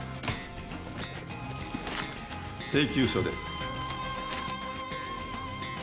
請求書です。